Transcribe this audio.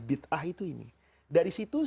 bid'ah itu ini dari situ